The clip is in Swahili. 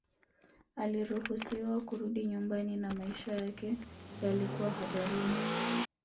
Aliruhusiwa kurudi nyumbani na maisha yake yalikuwa hatarini